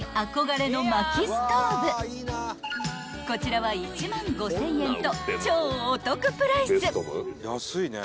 ［こちらは１万５，０００円と超お得プライス］